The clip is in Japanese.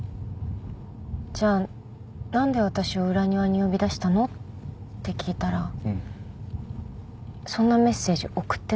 じゃあなんで私を裏庭に呼び出したの？って聞いたらそんなメッセージ送ってないって。